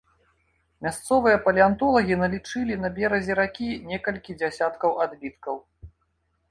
Мясцовыя палеантолагі налічылі на беразе ракі некалькі дзесяткаў адбіткаў.